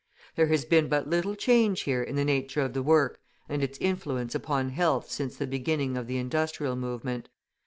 There has been but little change here in the nature of the work and its influence upon health since the beginning of the industrial movement.